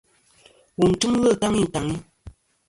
Wu tɨmlɨ taŋi taŋi.